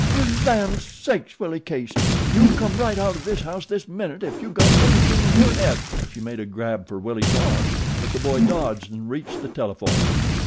"Fer lan' sakes, Willie Case, you come right out o' this house this minute ef you got anything in your head." She made a grab for Willie's arm; but the boy dodged and reached the telephone.